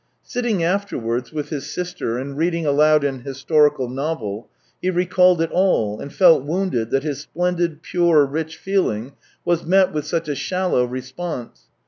Sitting afterwards with his sister and reading aloud an historical novel, he recalled it all and felt wounded that his splendid, pure, rich feeling was met with such a shallow response.